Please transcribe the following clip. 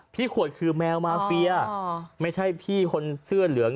ขวดคือแมวมาเฟียไม่ใช่พี่คนเสื้อเหลือง